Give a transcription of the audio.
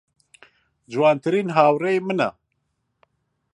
جوانترین هاوڕێی منە.